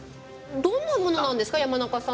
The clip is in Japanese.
どんなものなんですか？